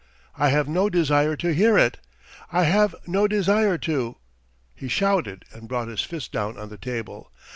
I have no desire to hear it! I have no desire to!" he shouted and brought his fist down on the table.